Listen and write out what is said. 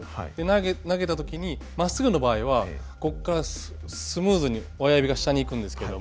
投げた時にまっすぐの場合はこっからスムーズに親指が下に行くんですけども。